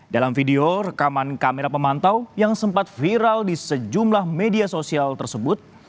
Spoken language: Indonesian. dalam video rekaman kamera pemantau yang sempat viral di sejumlah media sosial tersebut